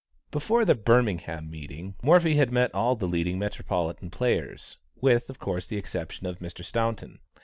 Before the Birmingham meeting, Morphy had met all the leading Metropolitan players, with, of course, the exception of Mr. Staunton.